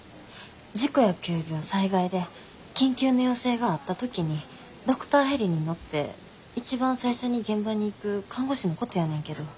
事故や急病災害で緊急の要請があった時にドクターヘリに乗って一番最初に現場に行く看護師のことやねんけど。